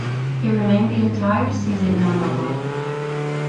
He remained the entire season in Omaha.